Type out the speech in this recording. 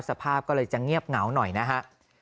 สภาพก็เลยจะเงียบเหงาหน่อยนะฮะ